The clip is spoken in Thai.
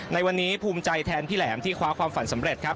ในวันนี้ภูมิใจแทนพี่แหลมที่คว้าความฝันสำเร็จครับ